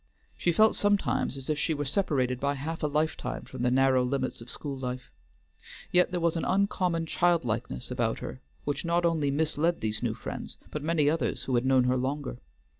She felt sometimes as if she were separated by half a lifetime from the narrow limits of school life. Yet there was an uncommon childlikeness about her which not only misled these new friends, but many others who had known her longer.